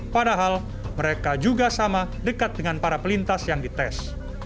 padahal mereka juga sama dekat dengan para pelintas yang dites